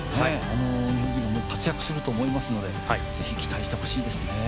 日本人が活躍すると思いますのでぜひ期待してほしいですね。